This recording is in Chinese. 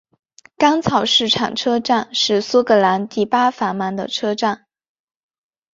干草市场车站是苏格兰第八繁忙的车站。